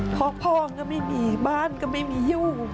พ่อพ่องก็ไม่มีบ้านก็ไม่มียู่